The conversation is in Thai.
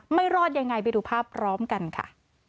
ไม่รอดยังไงไปดูภาพพร้อมกันค่ะ